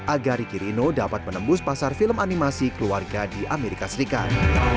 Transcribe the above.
agar ricky rino dapat menembus pasar film animasi keluarga di amerika serikat